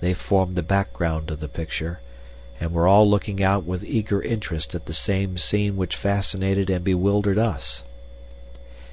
They formed the background of the picture, and were all looking out with eager interest at the same scene which fascinated and bewildered us.